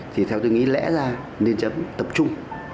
thì theo tôi nghĩ lẽ ra nên chấm tập trung